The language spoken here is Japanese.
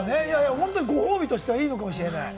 ご褒美としていいのかもしれない。